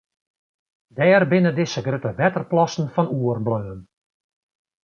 Dêr binne dizze grutte wetterplassen fan oerbleaun.